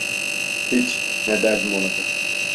Hiç, ne derdim olacak …